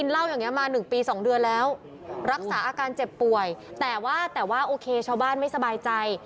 รักษาอาการเจ็บป่วยแต่ว่าโอเคชาวบ้านไม่สบายใจ